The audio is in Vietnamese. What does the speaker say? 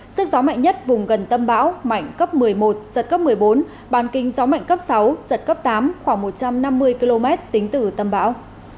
sức gió mạnh nhất vùng gần tâm bão mạnh cấp một mươi một giật cấp một mươi bốn bàn kinh gió mạnh cấp sáu giật cấp tám khoảng một trăm năm mươi km tính từ tâm bão